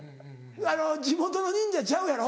地元の忍者ちゃうやろ？